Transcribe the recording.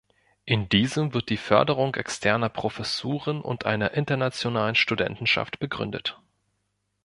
In diesem wird die Förderung externer Professuren und einer internationalen Studentenschaft begründet.